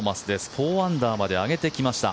４アンダーまで上げてきました。